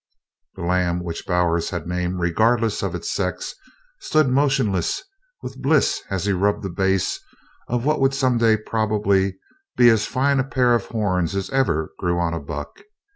The lamb, which Bowers had named regardless of its sex, stood motionless with bliss as he rubbed the base of what would some day probably be as fine a pair of horns as ever grew on a buck.